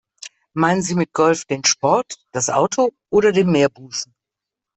Meinen Sie mit Golf den Sport, das Auto oder den Meerbusen?